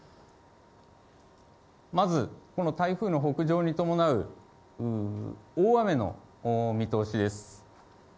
まず、この台風の北上に伴う大雨の見通しです。